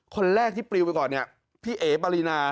คนแรกที่ปริวไปก่อนพี่เอ๋ปรีนา